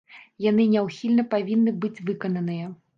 Яны няўхільна павінны быць выкананыя.